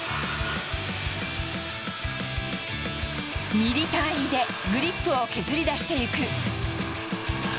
ミリ単位でグリップを削り出していく。